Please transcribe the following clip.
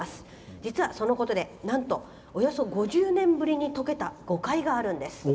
実は、そのことでなんとおよそ５０年ぶりに解けた誤解があるんです。